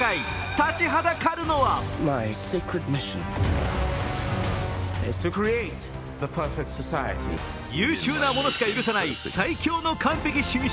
立ちはだかるのは優秀な者しか許さない、最凶の完璧主義者。